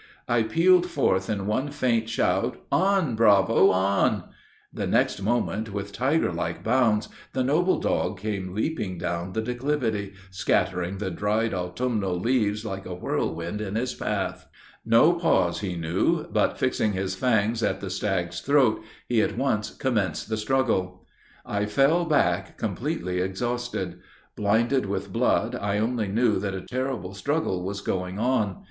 I pealed forth in one faint shout, 'On Bravo, on!' The next moment, with tiger like bounds, the noble dog came leaping down the declivity, scattering the dried autumnal leaves like a whirlwind in his path. 'No pause he knew,' but, fixing his fangs in the stag's throat, he at once commenced the struggle. "I fell back completely exhausted. Blinded with blood, I only knew that a terrible struggle was going on.